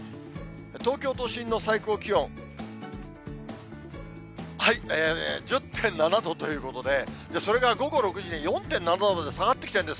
東京都心の最高気温、１０．７度ということで、それが午後６時に４．７度に下がってきてるんです。